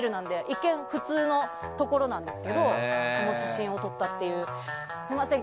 一見、普通のところなんですけどこの写真を撮ったという。